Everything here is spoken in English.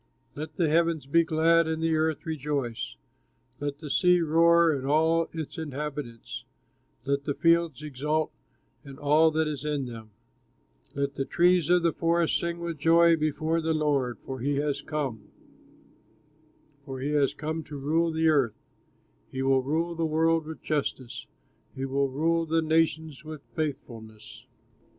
Let the heavens be glad, and the earth rejoice, Let the sea roar and all of its inhabitants, Let the fields exult, and all that is in them, Let the trees of the forest sing with joy Before the Lord, for he has come, For he has come to rule the earth; He will rule the world with justice, He will rule the nations with faithfulness.